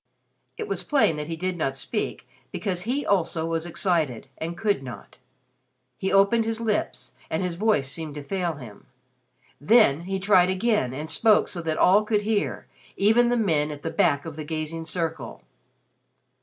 It was plain that he did not speak because he also was excited, and could not. He opened his lips and his voice seemed to fail him. Then he tried again and spoke so that all could hear even the men at the back of the gazing circle.